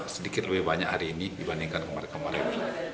sedikit lebih banyak hari ini dibandingkan kemarin kemarin